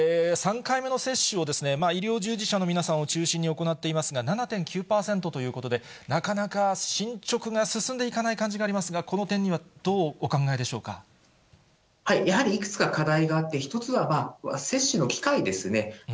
３回目の接種を、医療従事者の皆さんを中心に行っていますが、７．９％ということで、なかなか進捗が進んでいかない感じがありますが、やはり、いくつか課題があって、１つは接種の機会ですね。